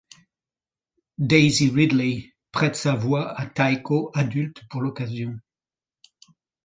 Daisy Ridley prête sa voix à Taeko adulte pour l'occasion.